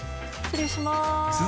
失礼します。